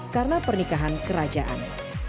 karena pernikahan kerajaan